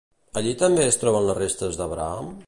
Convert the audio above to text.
Allí també es troben les restes d'Abraham?